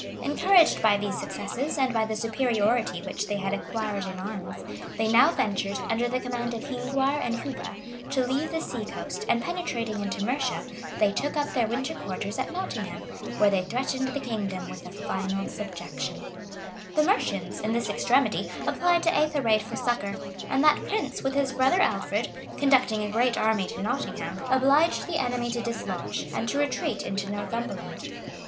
[*] Encouraged by these successes, and by the superiority which they had acquired in arms, they now ventured, under the command of Hinguar and Hubba, to leave the sea coast, and penetrating into Mercia, they took up their winter quarters at Nottingham, where they threatened the kingdom with a final subjection. [* Asser, p. 6. Chron. Sax. p. 79.] The Mercians, in this extremity, applied to Ethered for succor; and that prince, with his brother Alfred, conducting a great army to Nottingham, obliged the enemy to dislodge, and to retreat into Northumberland.